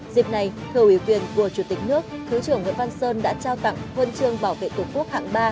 dịp này thủ ủy quyền của chủ tịch nước thứ trưởng nguyễn văn sơn đã trao tặng huân chương bảo vệ tổ quốc hạng ba